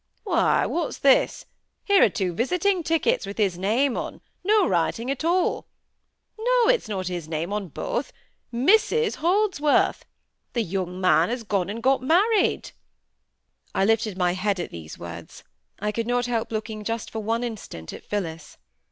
"Why! what's this? Here are two visiting tickets with his name on, no writing at all. No! it's not his name on both. MRS Holdsworth! The young man has gone and got married." I lifted my head at these words; I could not help looking just for one instant at Phillis.